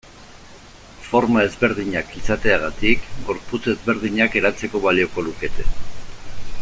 Forma ezberdinak izateagatik, gorputz ezberdinak eratzeko balioko lukete.